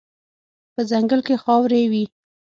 په ځنګل کې څاروي وي